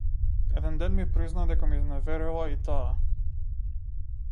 Еден ден ми призна дека ме изневерила и таа.